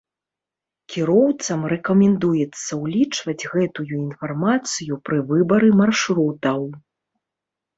Кіроўцам рэкамендуецца ўлічваць гэтую інфармацыю пры выбары маршрутаў.